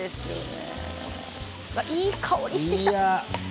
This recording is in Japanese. いい香りがしてきた。